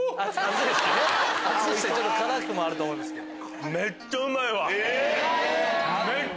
ちょっと辛くもあると思うんですけど。